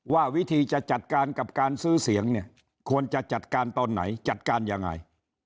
ว่าวิธีจะจัดการกับการซื้อเสียงเนี่ยควรจะจัดการตอนไหนจัดการยังไง